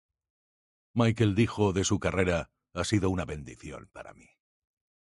Michael dijo de su carrera “Ha sido una bendición para mi.